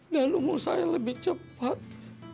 dan umur saya lebih cepat